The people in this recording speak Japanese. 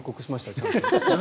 ちゃんと。